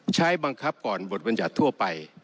ใช้บังคับก่อนบทบรรยัติทั่วไป